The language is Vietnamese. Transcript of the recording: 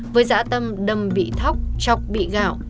với dã tâm đâm bị thóc chọc bị gạo